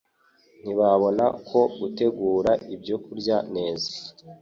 ntibabona ko gutegura ibyokurya neza